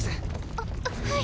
あっはい。